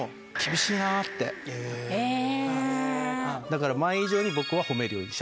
だから。